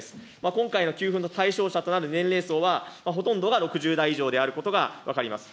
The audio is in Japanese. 今回の給付の対象者となる年齢層は、ほとんどが６０代以上であることが分かります。